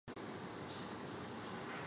迁福建参政。